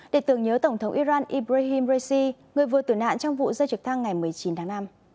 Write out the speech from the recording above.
để tưởng nhớ tổng thống iran ibrahim raisi người vừa tử nạn trong vụ rơi trực thăng ngày một mươi chín tháng năm